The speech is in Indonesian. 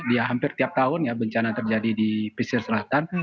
ya hampir tiap tahun ya bencana terjadi di pesisir selatan